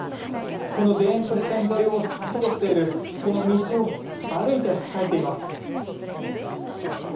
この田園都市線沿いを通っている道を歩いて帰っています。